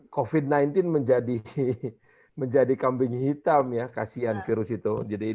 covid sembilan belas menjadi menjadi kambing hitam ya kasian virus itu jadi